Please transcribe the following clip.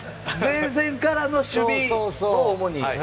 前線からの守備を主に？